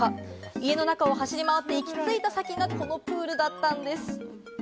家の中を走り回って行き着いた先がこのプールだったんです。